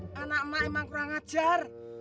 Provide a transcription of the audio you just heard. anak emak emang kurang ajar